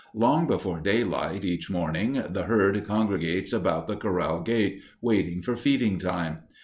Long before daylight each morning the herd congregates about the corral gate, waiting for feeding time.